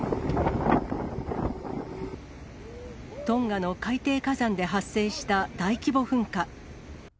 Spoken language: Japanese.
トンガの海底火山で発生した大規模噴火。